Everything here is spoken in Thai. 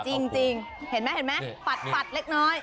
จริงเห็นมั้ยปัดเล็กน้อย